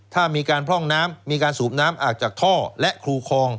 ถ้ามีการพร่องน้ำมีการสูบน้ำออกจากท่อและครูคลอง